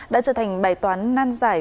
đã trở thành bài toán nan giải